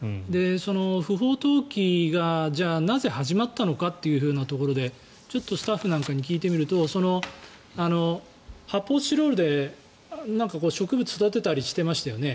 その不法投棄がなぜ始まったのかというところでちょっとスタッフなんかに聞いてみると発泡スチロールで植物を育てたりしてましたよね。